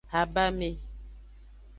Habame.